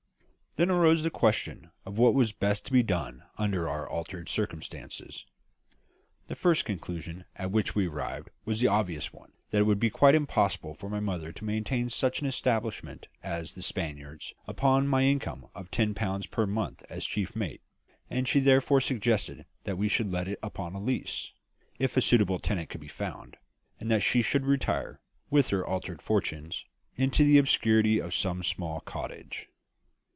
Then arose the question of what was best to be done under our altered circumstances. The first conclusion at which we arrived was the obvious one that it would be quite impossible for my mother to maintain such an establishment as "The Spaniards" upon my income of ten pounds per month as chief mate; and she therefore suggested that we should let it upon a lease, if a suitable tenant could be found, and that she should retire, with her altered fortunes, into the obscurity of some small cottage.